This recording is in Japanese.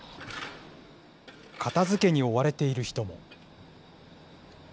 片づけに追われている人も。